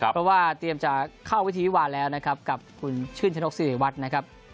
เพราะว่าเตรียมจะเข้าวิธีวิวาแล้วนะครับกับคุณชื่นชนกศิริวัตรนะครับ